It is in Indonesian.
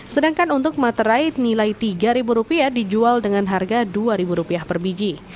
sedangkan untuk matrai nilai tiga ribu rupiah dijual dengan harga dua ribu rupiah per biji